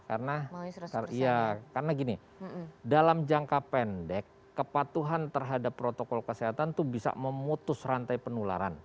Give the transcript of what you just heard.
karena gini dalam jangka pendek kepatuhan terhadap protokol kesehatan itu bisa memutus rantai penularan